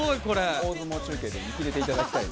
大相撲中継で見切れていただきたい。